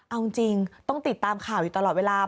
เอาจริงต้องติดตามข่าวอยู่ตลอดเวลา